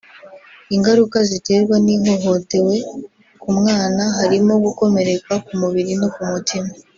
Ingaruka ziterwa n’ihohotewe ku mwana harimo gukomereka ku mubiri no ku mutima